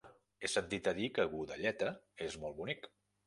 He sentit a dir que Godelleta és molt bonic.